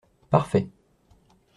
Parfait.